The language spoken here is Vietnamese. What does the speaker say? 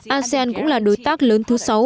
asean cũng là đối tác lớn thứ sáu